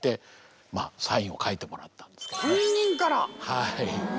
はい。